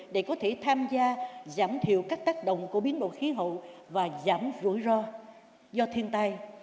để có thể tham gia giảm thiểu các tác động của biến đổi khí hậu và giảm rủi ro do thiên tai